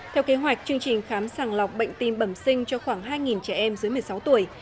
theo kế hoạch chương trình khám sàng lọc bệnh tim bẩm sinh cho khoảng hai trẻ em dưới một mươi sáu tuổi